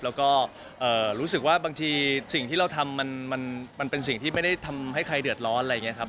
แล้วก็รู้สึกว่าบางทีสิ่งที่เราทำมันเป็นสิ่งที่ไม่ได้ทำให้ใครเดือดร้อนอะไรอย่างนี้ครับ